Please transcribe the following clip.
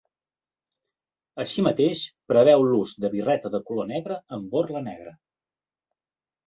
Així mateix, preveu l'ús de birreta de color negre amb borla negra.